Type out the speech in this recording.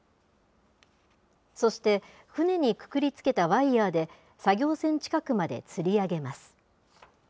そして、船にくくりつけたワイヤーで、作業船近くまでつり上げます。